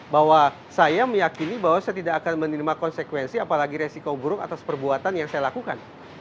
bahwa saya meyakini bahwa saya tidak akan menerima konsekuensi apalagi resiko buruk atas perbuatan yang saya lakukan